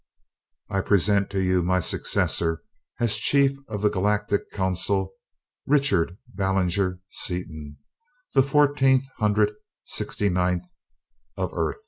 "I present to you my successor as Chief of the Galactic Council, Richard Ballinger Seaton, the fourteen hundred sixty ninth, of Earth."